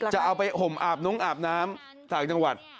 จะเอาไปห่มอาบนงอาบน้ำต่างจังหวัด